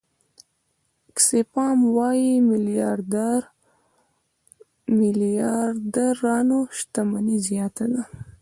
آکسفام وايي میلیاردرانو شتمني زیاته ده.